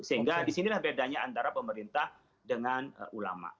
sehingga disinilah bedanya antara pemerintah dengan ulama